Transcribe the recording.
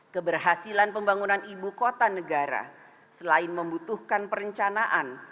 keberhasilan pembangunan ibu kota negara selain membutuhkan perencanaan